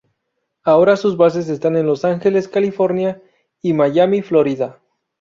Ahora sus bases están en Los Angeles, California y Miami, Florida.